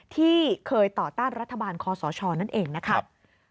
ที่เคยต่อต้านรัฐบาลคอสชนั่นเองนะครับ